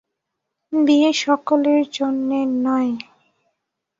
বিয়ে সকলের জন্যে নয়।